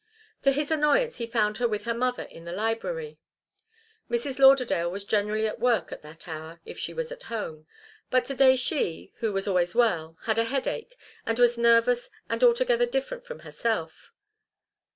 To his annoyance he found her with her mother in the library. Mrs. Lauderdale was generally at work at that hour, if she was at home, but to day she, who was always well, had a headache and was nervous and altogether different from herself.